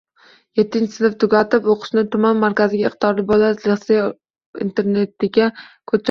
Yettinchi sinfni tugatib oʻqishni tuman markaziga – iqtidorli bolalar litsey-internatiga koʻchirdim…